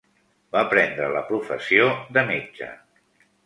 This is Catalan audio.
Va prendre la professió de metge.